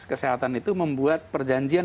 kesehatan itu membuat perjanjian